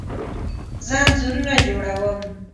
زه انځورونه جوړه وم